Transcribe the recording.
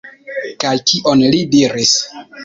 Kaj kion li diris?